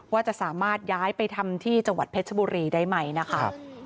ว่าจะสามารถย้ายไปทำที่จังหวัดเพชรบุรีได้ไหมนะคะ